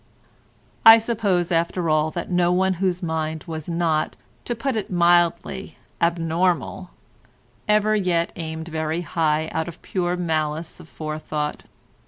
I suppose after all that no one whose mind was not, to put it mildly, abnormal, ever yet aimed very high out of pure malice aforethought.